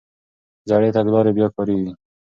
زړې تګلارې بیا کارېږي.